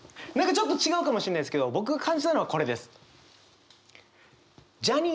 何かちょっと違うかもしれないんですけど僕が感じたのはこれです。